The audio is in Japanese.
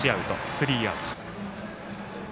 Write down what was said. スリーアウト。